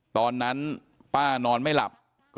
ตอนนั้นป้านอนไม่หลับ